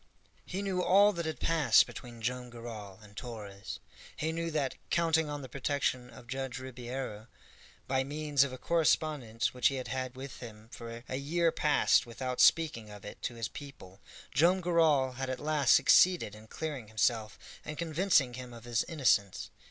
He knew all that had passed between Joam Garral and Torres. He knew that, counting on the protection of Judge Ribeiro, by means of a correspondence which he had had with him for a year past without speaking of it to his people, Joam Garral had at last succeeded in clearing himself and convincing him of his innocence.